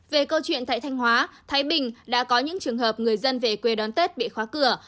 về câu chuyện tại thanh hóa thái bình đã có những trường hợp người dân về quê đón tết bị khóa cửa